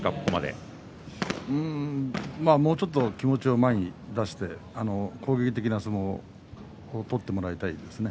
もうちょっと気持ちを前に出して攻撃的な相撲を取ってもらいたいですね。